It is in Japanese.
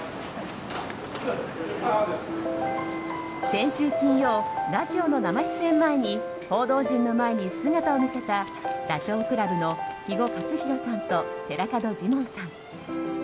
先週金曜、ラジオの生出演前に報道陣の前に姿を見せたダチョウ倶楽部の肥後克広さんと寺門ジモンさん。